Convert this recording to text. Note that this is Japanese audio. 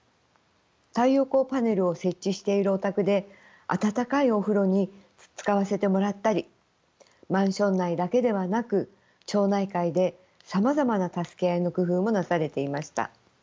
太陽光パネルを設置しているお宅で温かいお風呂に使わせてもらったりマンション内だけではなく町内会でさまざまな助け合いの工夫もなされていました。